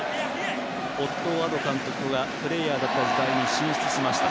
オットー・アド監督がプレーヤーだった時代に進出しました。